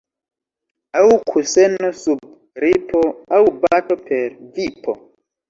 Aŭ kuseno sub ripo, aŭ bato per vipo.